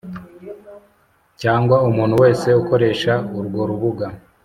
cyangwa umuntu wese ukoresha urwo rubuga